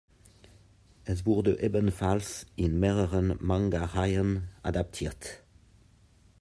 Es wurde ebenfalls in mehreren Manga-Reihen adaptiert.